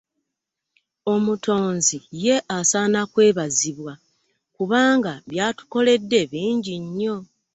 Omutonzi ye asaana kwebazibwa kubanga by'atukoledde bingi nnyo.